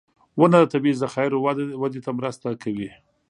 • ونه د طبعي ذخایرو وده ته مرسته کوي.